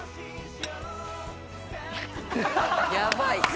やばい！